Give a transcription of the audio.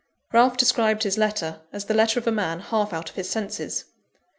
Ralph described his letter, as the letter of a man half out of his senses.